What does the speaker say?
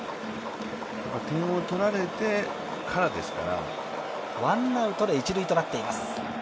点を取られてからですから。